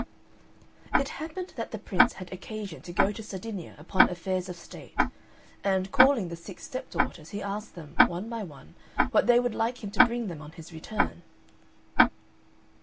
It happened that the Prince had occasion to go to Sardinia upon affairs of state, and, calling the six stepdaughters, he asked them, one by one, what they would like him to bring them on his return.